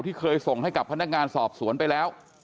เคยส่งให้กับพนักงานสอบสวนไปแล้ว